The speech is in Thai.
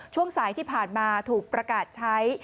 ช่วงสายที่ผ่านมาถูกประกาศใช้